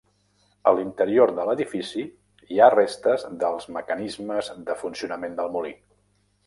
A l'interior de l'edifici hi ha restes dels mecanismes de funcionament del molí.